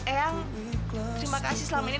eyang terima kasih selama ini